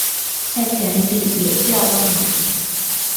在田里也需帮忙